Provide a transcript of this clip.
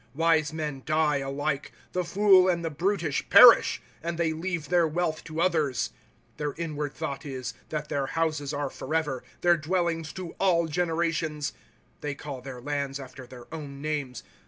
Wise men die. Alike, the fool and the brutish perish ; And they leave their wealth to others. ^1 Their inward thought is, that their houses are forever, Their dwellings to all generations ; They call their lands after their own names.